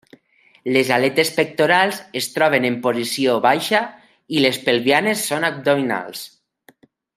Les aletes pectorals es troben en posició baixa i les pelvianes són abdominals.